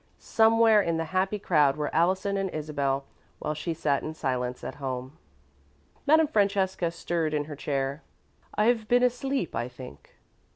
Somewhere in the happy crowd were Allison and Isabel, while she sat in silence at home. Madame Francesca stirred in her chair. "I've been asleep, I think."